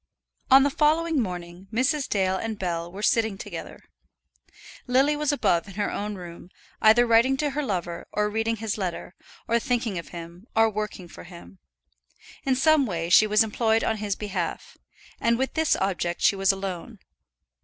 On the following morning Mrs. Dale and Bell were sitting together. Lily was above in her own room, either writing to her lover, or reading his letter, or thinking of him, or working for him. In some way she was employed on his behalf, and with this object she was alone.